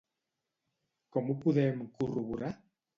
Com ho podem corroborar?